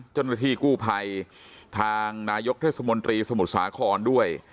เจ้าหน้าที่กู้ภัยทางนายกเทศมนตรีสมุทรสาครด้วย